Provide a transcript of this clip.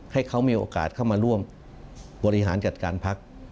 ให้เขามีโอกาสเข้ามาร่วมบริหารจัดการพัก